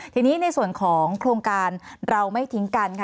ทีนี้ในส่วนของโครงการเราไม่ทิ้งกันค่ะ